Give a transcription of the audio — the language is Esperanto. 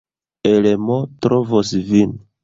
Elmo trovos vin.